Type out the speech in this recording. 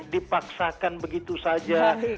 dipaksakan begitu saja